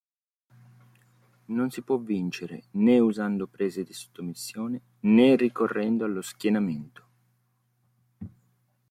Non si può vincere né usando prese di sottomissione né ricorrendo allo schienamento.